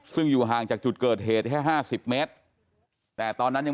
ซึ่งอยู่ห่างจากจุดเกิดเหตุแค่ห้าสิบเมตรแต่ตอนนั้นยัง